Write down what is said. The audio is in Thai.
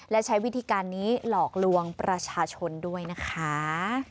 และใช้วิธีการนี้หลอกลวงประชาชนด้วยนะคะ